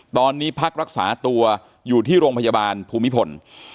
ตอนนี้พักรักษาตัวอยู่ที่โรงพยาบาลภูมิพล